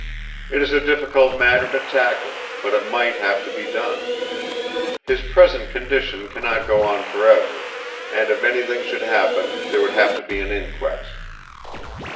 It is a difficult matter to tackle; but it might have to be done. His present condition cannot go on for ever; and if anything should happen there would have to be an inquest.